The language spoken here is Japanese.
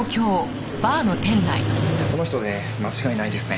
この人で間違いないですね。